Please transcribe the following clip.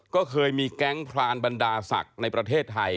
ก็เคยมีแก๊งพรานบรรดาศักดิ์ในประเทศไทย